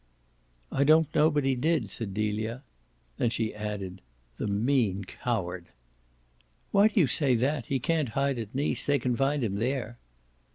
"I don't know but he did," said Delia. Then she added: "The mean coward!" "Why do you say that? He can't hide at Nice they can find him there."